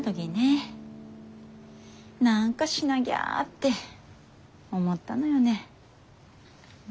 何かしなぎゃって思ったのよね。